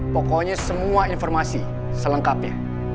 pokoknya semua informasi selengkapnya